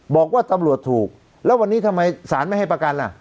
บอกว่าตำรวจถูกแล้ววันนี้ทำไมศาลไม่ให้ประกันล่ะ